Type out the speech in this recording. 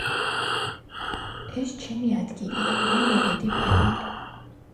ეს ჩემი ადგილია მე მოვედი პირველი